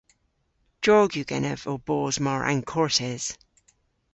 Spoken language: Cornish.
Drog yw genev ow bos mar ankortes.